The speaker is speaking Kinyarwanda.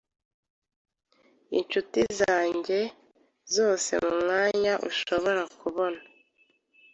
Inshuti zanjye zose mumwanya ushobora kubona